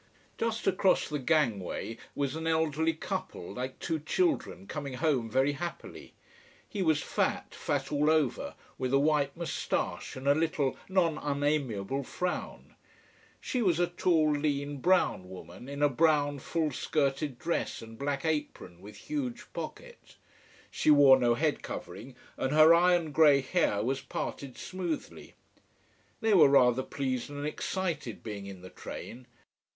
Just across the gangway was an elderly couple, like two children, coming home very happily. He was fat, fat all over, with a white moustache and a little not unamiable frown. She was a tall lean, brown woman, in a brown full skirted dress and black apron, with huge pocket. She wore no head covering, and her iron grey hair was parted smoothly. They were rather pleased and excited being in the train.